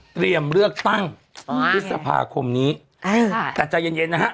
เตรียมเลือกตั้งพฤษภาคมนี้แต่ใจเย็นเย็นนะฮะ